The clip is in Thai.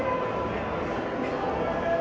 ขอบคุณทุกคนมากครับที่ทุกคนรัก